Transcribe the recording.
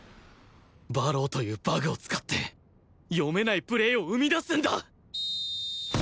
馬狼というバグを使って読めないプレーを生み出すんだ！